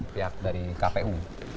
pihak dari kpu